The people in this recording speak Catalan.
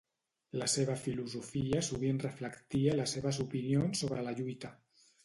La seva filosofia sovint reflectia les seves opinions sobre la lluita.